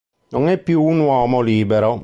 Non è più un uomo libero.